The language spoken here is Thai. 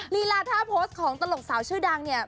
ลีลาท่าโพสต์ของตลกสาวชื่อดังเนี่ย